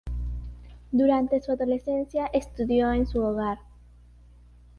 Durante su adolescencia estudió en su hogar.